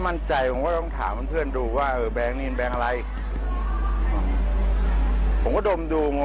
ผมก็ให้ไปยอดตู้หรือไปที่ธนาคารดู